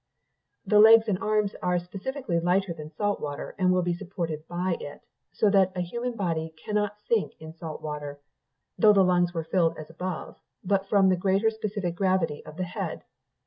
"The legs and arms are specifically lighter than salt water, and will be supported by it, so that a human body cannot sink in salt water, though the lungs were filled as above, but from the greater specific gravity of the head.